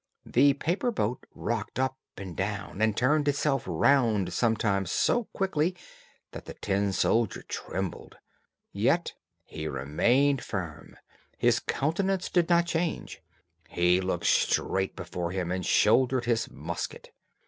The paper boat rocked up and down, and turned itself round sometimes so quickly that the tin soldier trembled; yet he remained firm; his countenance did not change; he looked straight before him, and shouldered his musket.